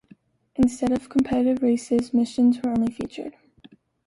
Instead of competitive races, missions were only featured.